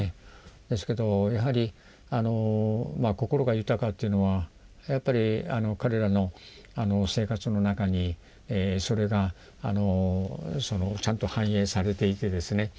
ですけどやはり心が豊かというのはやっぱり彼らの生活の中にそれがちゃんと反映されていてですね